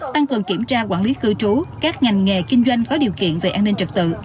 tăng cường kiểm tra quản lý cư trú các ngành nghề kinh doanh có điều kiện về an ninh trật tự